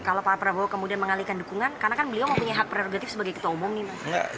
kalau pak prabowo kemudian mengalihkan dukungan karena kan beliau mempunyai hak prerogatif sebagai ketua umum nih mas